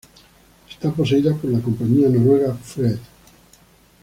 Es poseída por la compañía noruega Fred.